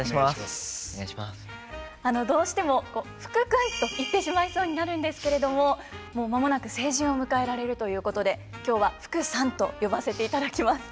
どうしても「福君」と言ってしまいそうになるんですけれども間もなく成人を迎えられるということで今日は「福さん」と呼ばせていただきます。